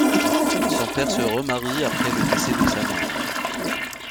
Son père se remarie après le décès de sa mère.